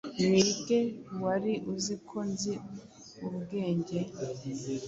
ni ge wari uzi ko nzi ubwenge,